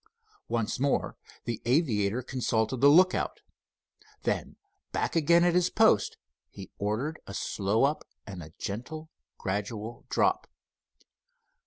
Once more the aviator consulted the lookout. Then, back again at his post, he ordered a slow up and a gentle, gradual drop.